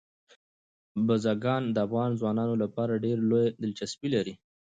بزګان د افغان ځوانانو لپاره ډېره لویه دلچسپي لري.